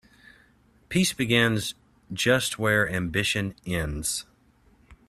Peace begins just where ambition ends.